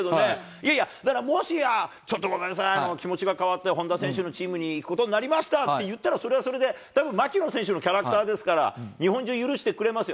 いやいや、だからもしや、ちょっとごめんなさい、気持ちが変わったら、本田選手のチームに行くことになりましたっていったら、それはそれでたぶん、槙野選手のキャラクターですから、日本中許してくれますよ。